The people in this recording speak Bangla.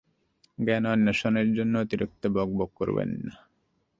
জ্ঞান অন্বেষণের জন্যে অতিরিক্ত বকবক করবেন না।